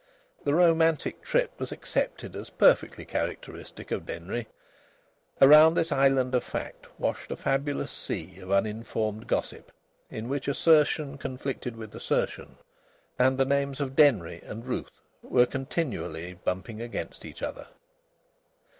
The romantic trip was accepted as perfectly characteristic of Denry. Around this island of fact washed a fabulous sea of uninformed gossip, in which assertion conflicted with assertion, and the names of Denry and Ruth were continually bumping against each other.